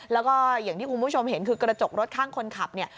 แล้วก็อย่างที่คุณผู้ชมเห็นคือกระจกรถข้างคนขับเนี่ย